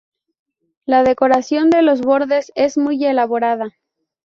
La decoración de los bordes es muy elaborada.